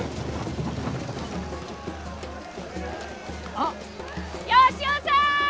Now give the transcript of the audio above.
あっ吉雄さん！